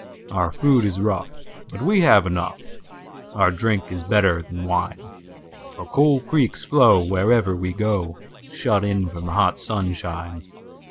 Our food is rough, but we have enough; Our drink is better than wine:For cool creeks flow wherever we go, Shut in from the hot sunshine.